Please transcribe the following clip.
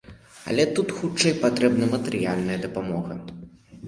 Але тут хутчэй патрэбна матэрыяльная дапамога.